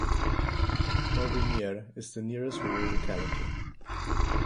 Novy Mir is the nearest rural locality.